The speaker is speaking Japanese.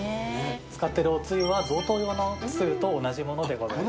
使っているおつゆは贈答用のつゆと同じものでございます。